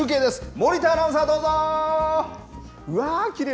森田アナウンサー、どうぞ。